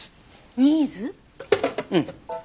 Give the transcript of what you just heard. うん。